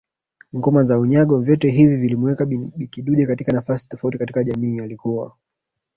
ngoma za unyago vyote hivi vilimuweka Bi Kidude katika nafasi tofauti katika jamii Alikuwa